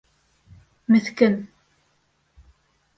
Меҫкен!